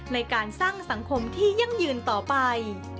ในการสร้างสังคมที่ยั่งยืนต่อไป